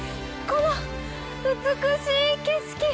この美しい景色。